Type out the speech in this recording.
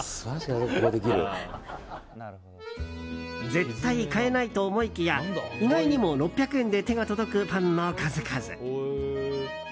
絶対買えないと思いきや意外にも６００円で手が届くパンの数々。